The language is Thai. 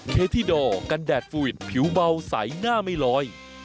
เทธิดอร์กันแดดฟูวิดผิวเบาใสหน้าไม่ลอย